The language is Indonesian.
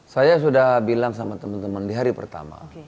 saya sudah bilang sama teman teman di hari pertama